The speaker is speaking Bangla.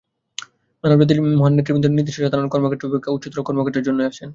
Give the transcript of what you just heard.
মানবজাতির মহান নেতৃবৃন্দ নির্দিষ্ট সাধারণ কর্মক্ষেত্র অপেক্ষা উচ্চতর কর্মক্ষেত্রের জন্যই আসেন।